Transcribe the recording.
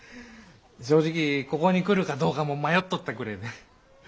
正直ここに来るかどうかも迷っとったくれえで。